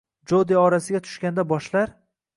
Jodi orasiga tushganda boshlar